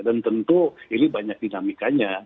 dan tentu ini banyak dinamikanya